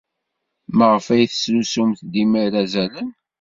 Maɣef ay tettlusumt dima irazalen?